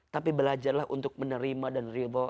tapi belajarlah untuk menerima dan ridho